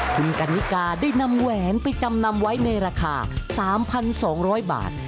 คุณกันนิกาได้นำแหวนไปจำนำไว้ในราคา๓๒๐๐บาท